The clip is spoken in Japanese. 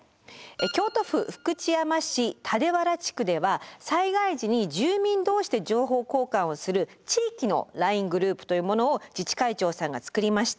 京都府福知山市蓼原地区では災害時に住民同士で情報交換をする地域のＬＩＮＥグループというものを自治会長さんが作りました。